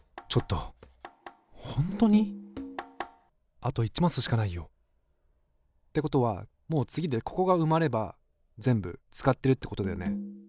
あと１マスしかないよ。ってことはもう次でここが埋まれば全部使ってるってことだよね。